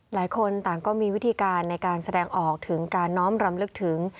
หลายคนต่างก็มีวิธีการในการแสดงออกถึงการน้อมรำลึกถึง